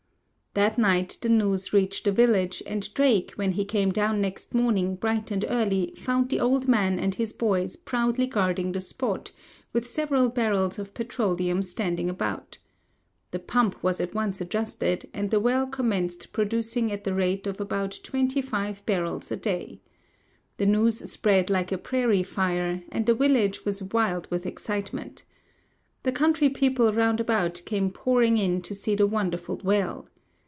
"That night the news reached the village, and Drake when he came down next morning bright and early found the old man and his boys proudly guarding the spot, with several barrels of petroleum standing about. The pump was at once adjusted, and the well commenced producing at the rate of about twenty five barrels a day. The news spread like a prairie fire, and the village was wild with excitement. The country people round about came pouring in to see the wonderful well.